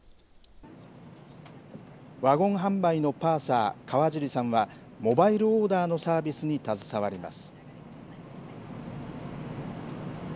ワゴン販売のパーサー、川尻さんは、モバイルオーダーのサービスに携わります。